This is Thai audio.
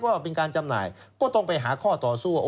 ว่าเป็นการจำหน่ายก็ต้องไปหาข้อต่อสู้